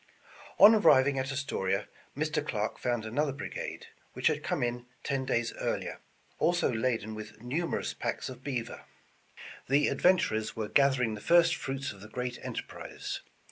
On arriving at Astoria, Mr. Clarke found another brigade, which had come in ten days earlier, also laden with numerous packs of beaver. The adventurers were gathering the first fruits of the great enterprise.